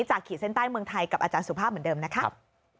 ขีดเส้นใต้เมืองไทยกับอาจารย์สุภาพเหมือนเดิมนะครับ